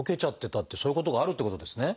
そういうことがあるってことですね。